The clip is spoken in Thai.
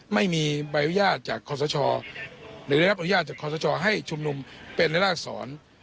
ไม่มีบรรยาทจากคอสชหรือได้รับบรรยาทจากคอสชให้ชมนุมเป็นเลือดรากสอน